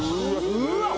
うわっ！